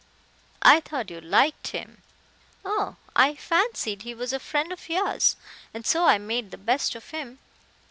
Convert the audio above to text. "I thought you liked him." "Oh, I fancied he was a friend of yours and so I made the best of him.